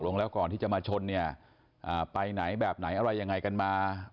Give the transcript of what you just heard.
แล้วก่อนที่จะมาชนเนี่ยไปไหนแบบไหนอะไรยังไงกันมา